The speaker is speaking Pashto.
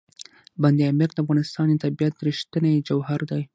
بند امیر د افغانستان د طبیعت رښتینی جوهر دی.